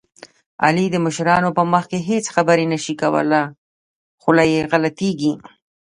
علي د مشرانو په مخ کې هېڅ خبرې نه شي کولی، خوله یې غلطېږي.